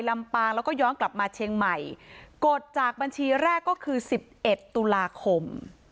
ลำปางแล้วก็ย้อนกลับมาเชียงใหม่กดจากบัญชีแรกก็คือสิบเอ็ดตุลาคม